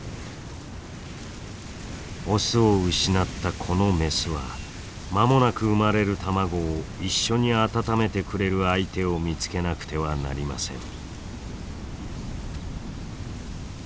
オスを失ったこのメスは間もなく産まれる卵を一緒に温めてくれる相手を見つけなくてはなりません。